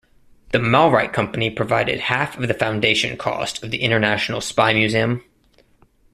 The Malrite Company provided half of the foundation cost of the International Spy Museum.